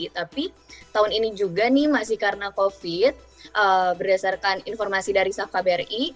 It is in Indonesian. tapi tahun ini juga nih masih karena covid berdasarkan informasi dari staff kbri